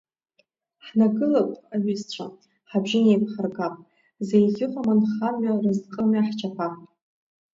Ҳнагылап, аҩызцәа, ҳабжьы неиқәҳаргап, зеиӷьыҟам анхамҩа-разҟымҩа ҳчаԥап.